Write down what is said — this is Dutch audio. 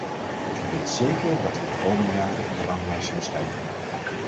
Ik weet zeker dat we de komende jaren in de ranglijst zullen stijgen.